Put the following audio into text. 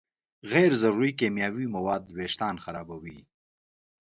غیر ضروري کیمیاوي مواد وېښتيان خرابوي.